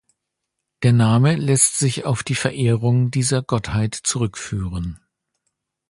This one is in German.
Der Name lässt sich auf die Verehrung dieser Gottheit zurückführen.